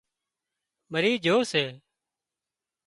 مرِي جھو سي